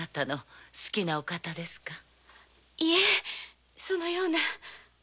いいえそのような。